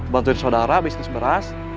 bantuin saudara bisnis beras